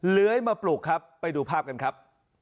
เลื้อยมาปลูกครับไปดูภาพกันครับ